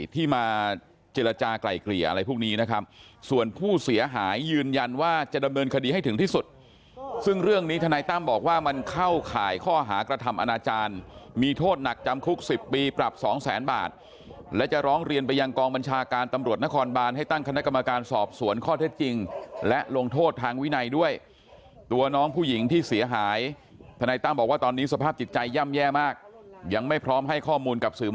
ท่านนายตั้มบอกว่ามันเข้าข่ายข้อหากระทำอนาจารย์มีโทษหนักจำคุก๑๐ปรับ๒๐๐๐๐๐บาทและจะร้องเรียนไปยังกองบัญชาการตำรวจนครบานให้ตั้งคณะกรรมการสอบสวนข้อเท็จจริงและลงโทษทางวินัยด้วยตัวน้องผู้หญิงที่เสียหายท่านนายตั้มบอกว่าตอนนี้สภาพจิตใจย่ำแย่มากยังไม่พร้อมให้ข้อมูลกับสื่อมว